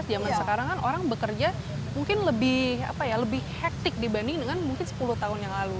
zaman sekarang kan orang bekerja mungkin lebih hektik dibanding dengan mungkin sepuluh tahun yang lalu